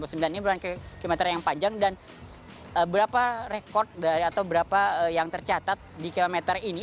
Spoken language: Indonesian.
ini berapa kilometer yang panjang dan berapa rekod atau berapa yang tercatat di kilometer ini